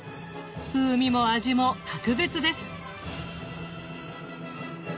風味も味も格別です。